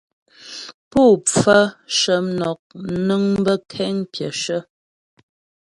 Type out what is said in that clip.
Pú pfaə shə mnɔk nəŋ bə́ kéŋ pyəshə.